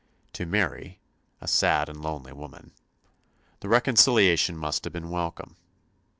To Mary, a sad and lonely woman, the reconciliation must have been welcome.